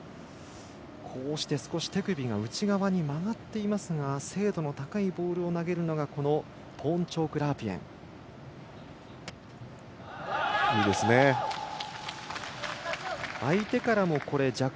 手首が少し内側に曲がっていますが精度の高いボールを投げるのがポーンチョーク・ラープイェン。